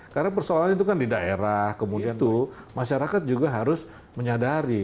karena persoalan itu kan di daerah kemudian itu masyarakat juga harus menyadari